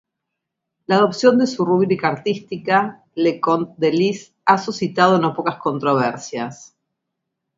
La adopción de su rúbrica artística, Leconte de Lisle, ha suscitado no pocas controversias.